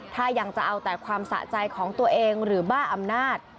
ถ้ายังจะเอาแต่ความสะใจของตัวเองหรือบ้าอำนาจ